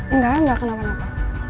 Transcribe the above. enggak enggak kenapa noh